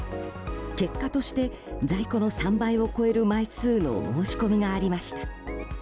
結果として、在庫の３倍を超える枚数の申し込みがありました。